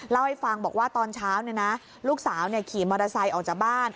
เล่าให้ฟังบอกว่าตอนเช้าลูกสาวขี่มอเตอร์ไซค์ออกจากบ้าน